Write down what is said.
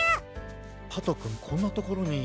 パトくんこんなところに！